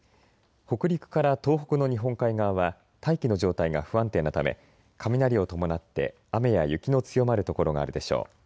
北陸から東北の日本海側は大気の状態が不安定なため雷を伴って雨や雪の強まる所があるでしょう。